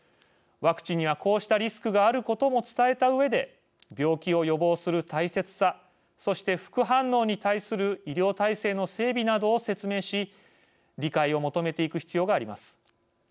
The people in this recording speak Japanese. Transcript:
ワクチンには、こうしたリスクがあることも伝えたうえで病気を予防する大切さそして、副反応に対する医療体制の整備などを説明し理解を求めていく必要があります。